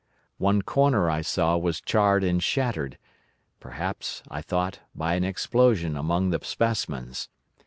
One corner I saw was charred and shattered; perhaps, I thought, by an explosion among the specimens.